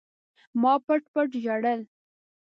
ما پټ پټ ژړل.